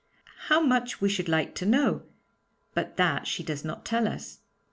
How much we should like to know! But that she does not tell us.